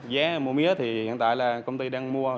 giá mua mía thì hiện tại là công ty đang mua